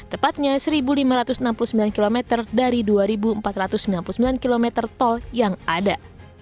tepatnya satu lima ratus enam puluh sembilan km dari dua empat ratus sembilan puluh sembilan km tol yang ada